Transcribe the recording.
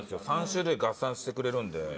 ３種類合算してくれるので。